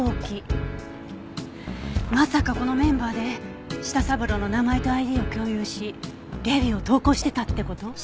まさかこのメンバーで舌三郎の名前とＩＤを共有しレビューを投稿してたって事？